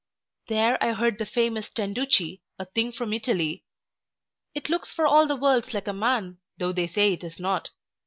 There I heard the famous Tenducci, a thing from Italy It looks for all the world like a man, though they say it is not.